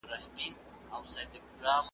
رسول الله د هيچا سره بد چلند نه کاوه.